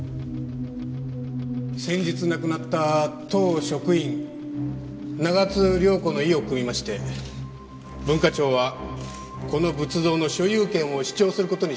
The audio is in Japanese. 先日亡くなった当職員長津涼子の意をくみまして文化庁はこの仏像の所有権を主張する事にしました。